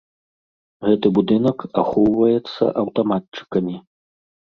Гэты будынак ахоўваецца аўтаматчыкамі.